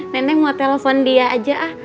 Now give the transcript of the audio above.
nenek mau telepon dia aja ah